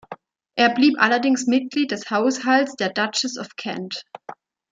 Er blieb allerdings Mitglied des Haushalts der Duchess of Kent.